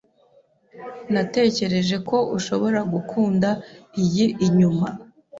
Natekereje ko ushobora gukunda iyi inyuma.